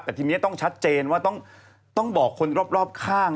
แต่ทีนี้ต้องชัดเจนว่าต้องบอกคนรอบข้าง